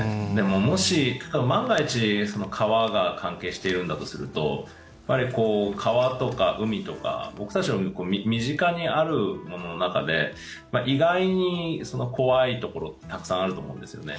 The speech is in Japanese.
もし、万が一、川が関係してるんだとすると川とか海とか、僕たちの身近にあるものの中で意外に怖いところってたくさんあると思うんですよね。